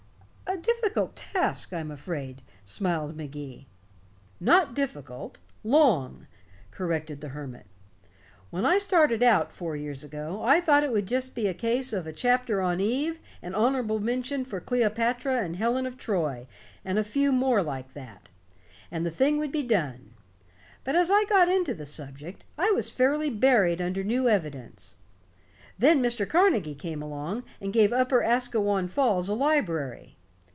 "A difficult task, I'm afraid," smiled Magee. "Not difficult long," corrected the hermit. "When I started out, four years ago, I thought it would just be a case of a chapter on Eve, and honorable mention for Cleopatra and Helen of Troy, and a few more like that, and the thing would be done. But as I got into the subject, I was fairly buried under new evidence. Then Mr. Carnegie came along and gave Upper Asquewan Falls a library.